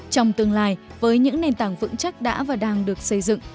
trong tương lai với những nền tảng vững chắc đã và đang được xây dựng